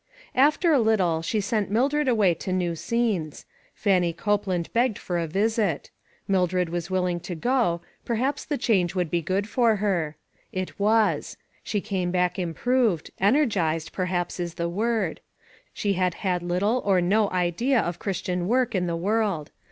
After a little, she sent Mildred away to new scenes'. Fannie Copeland begged for a visit. Mildred was "willing to go ; perhaps the change would be good for her. It was. She came back improved ; energized, per haps, is the word. She had had little, or no idea of Christian work in the world.